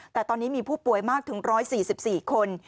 แต่ตอนนี้มีผู้ป่วยมากถึง๑๔๔คน